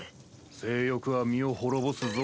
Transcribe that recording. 性欲は身を滅ぼすぞ。